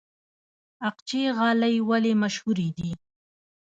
اقچې غالۍ ولې مشهورې دي؟